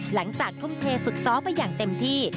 หลังจากทุ่มเทฝึกซ้อมไปอย่างเต็มที่